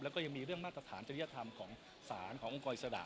แล้วก็ยังมีเรื่องมาตรฐานจริยธรรมของศาลขององค์กรอิสระ